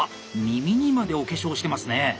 耳にまでお化粧してますね！